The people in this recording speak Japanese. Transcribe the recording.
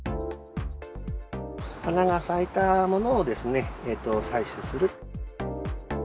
花が咲いたものを採取する。